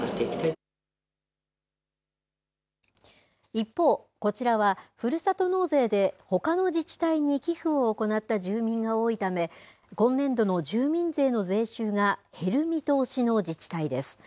一方、こちらはふるさと納税でほかの自治体に寄付を行った住民が多いため、今年度の住民税の税収が減る見通しの自治体です。